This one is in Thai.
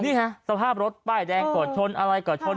นี่ฮะสภาพรถป้ายแดงก็ชนอะไรก็ชน